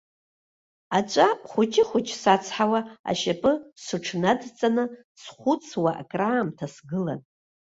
Аҵәа хәыҷы-хәыҷ сацҳауа, ашьапы сыҽнадҵаны, схәыцуа акраамҭа сгылан.